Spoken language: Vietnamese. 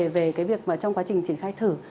về việc trong quá trình triển khai thử